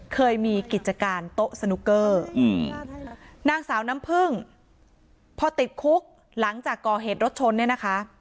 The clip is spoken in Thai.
เคยมีกิจการโต๊ะสนุกเกอร์นางสาวน้ำพึ่งพอติดคุกหลังจากก่อเหตุรถชนเนี่ยนะคะ